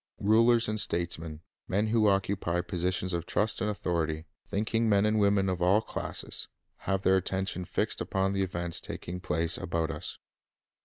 Rulers and statesmen, men who occupy posi tions of trust and authority, thinking men and women of all classes, have their attention fixed upon the events On the \ cv tr c of taking place about us.